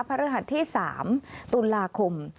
ฤหัสที่๓ตุลาคม